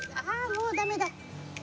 もうダメだ！